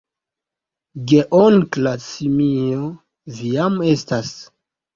Geonkla simio: "Vi jam estas!"